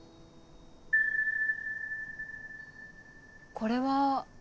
これは。